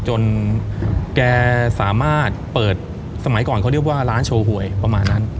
จนแกสามารถเปิดสมัยก่อนเขาเรียกว่าร้านโชว์หวยประมาณนั้น